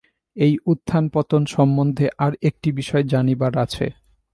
এই উত্থান-পতন সম্বন্ধে আর একটি বিষয় জানিবার আছে।